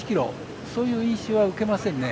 そういう印象は受けませんね。